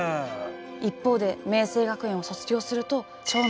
一方で明晴学園を卒業すると“聴の世界”。